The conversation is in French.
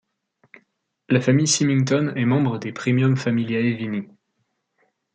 La famille Symington est membre des Primum Familiæ Vini.